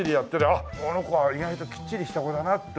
あっこの子は意外ときっちりした子だなと思う。